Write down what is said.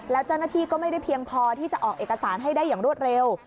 แล้วเจ้าหน้าที่ก็ไม่ได้เพียงพอที่จะออกเอกสารให้ได้อย่างรวดเร็ว